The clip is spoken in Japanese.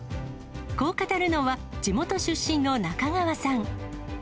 こう語るのは、地元出身の中川さん。